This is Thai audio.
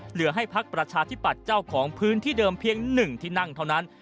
เหลือให้พักประชาธิปัตย์เจ้าของพื้นที่เดิมเพียง๑ที่นั่งเท่านั้น